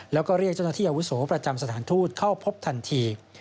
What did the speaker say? แล้วก็เรียกเจ้าหน้าที่อาวุโสประจำสถานทูตเข้าพบทันที